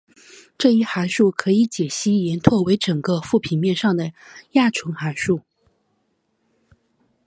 这一函数可以解析延拓为整个复平面上的亚纯函数。